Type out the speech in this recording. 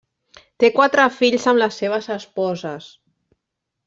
Té quatre fills amb les seves esposes.